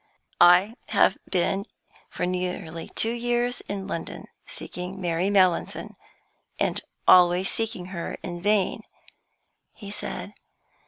"I have been for nearly two years in London seeking Mary Mallinson, and always seeking her in vain," he said.